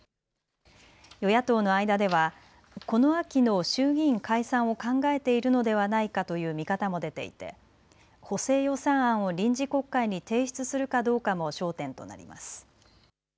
与野党の間ではこの秋の衆議院解散を考えているのではないかという見方も出ていて補正予算案を臨時国会に提出するかどうかも焦点となります。